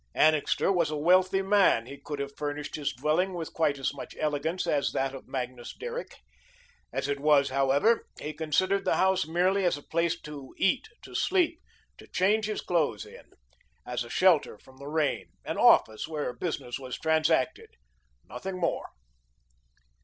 Annixter was a wealthy man; he could have furnished his dwelling with quite as much elegance as that of Magnus Derrick. As it was, however, he considered his house merely as a place to eat, to sleep, to change his clothes in; as a shelter from the rain, an office where business was transacted nothing more.